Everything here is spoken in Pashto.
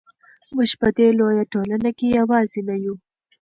موږ په دې لویه ټولنه کې یوازې نه یو.